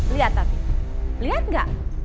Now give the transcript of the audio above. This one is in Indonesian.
lihat tante lihat gak